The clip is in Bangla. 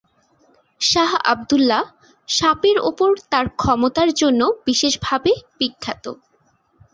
শাহ আবদুল্লাহ সাপের উপর তাঁর ক্ষমতার জন্য বিশেষভাবে বিখ্যাত।